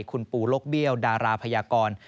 คุณปู่โลกเบี้ยวดาราพยากร